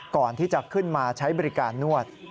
ก่อนที่จะขึ้นมาใช้บริการนวด